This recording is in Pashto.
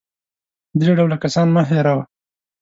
درې ډوله کسان مه هېروه .